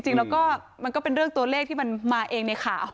จริงแล้วก็มันก็เป็นเรื่องตัวเลขที่มันมาเองในข่าว